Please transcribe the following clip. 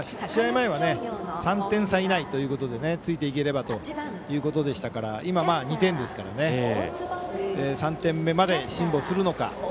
前は３点差以内ということでついていければということでしたから今、２点ですからね、３点目まで辛抱するのか。